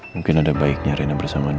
mungkin ada baiknya rena bersama nino